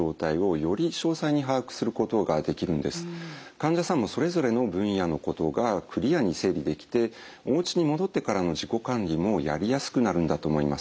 チームですと患者さんもそれぞれの分野のことがクリアに整理できておうちに戻ってからの自己管理もやりやすくなるんだと思います。